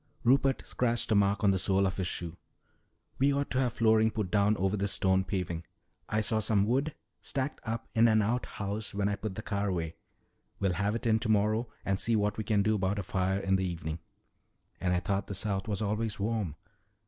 Rupert scratched a match on the sole of his shoe. "We ought to have flooring put down over this stone paving. I saw some wood stacked up in an outhouse when I put the car away. We'll have it in tomorrow and see what we can do about a fire in the evening." "And I thought the South was always warm."